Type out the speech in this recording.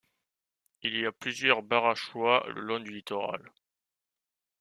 Il y a plusieurs barachois le long du littoral.